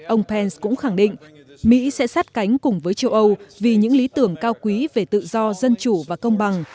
ông pence cũng khẳng định mỹ sẽ sát cánh cùng với châu âu vì những lý tưởng cao quý về tự do dân chủ và công bằng